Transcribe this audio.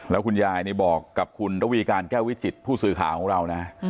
แล้วคุณยายนี่บอกกับคุณระวีการแก้ววิจิตผู้สื่อข่าวของเรานะ